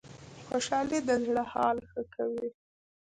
خوشحالي د زړه حال ښه کوي